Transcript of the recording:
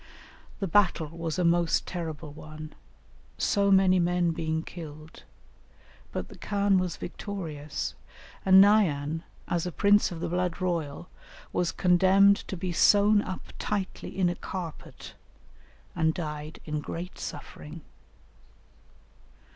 The battle was a most terrible one, so many men being killed, but the khan was victorious, and Naïan, as a prince of the blood royal, was condemned to be sewn up tightly in a carpet, and died in great suffering.